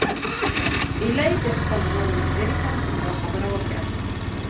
ایلي د خپل ژوند ملګری ته همدا خبره وکړه.